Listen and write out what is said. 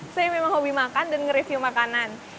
saya memang hobi makan dan nge review makanan